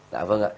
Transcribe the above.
đã vâng ạ